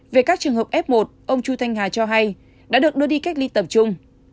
về các trường hợp f một ông chu thanh hà cho hay đã được đưa đi cách ly tập trung